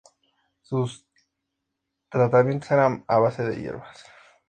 Sus tratamientos eran a base de hierbas.